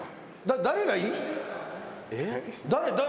誰がいい？